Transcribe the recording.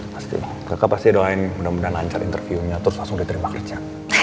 pasti kakak pasti doain mudah mudahan lancar interview nya terus langsung diterima kerja